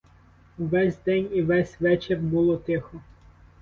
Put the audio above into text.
Ввесь день і ввесь вечір було тихо.